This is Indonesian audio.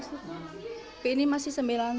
tapi ini masih sembilan puluh